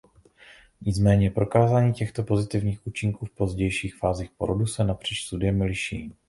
Nicméně prokázání těchto pozitivních účinků v pozdějších fázích porodu se napříč studiemi liší.